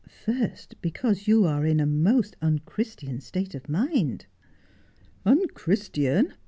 First, because you are in a most un christian state of mind.' ' Unchristian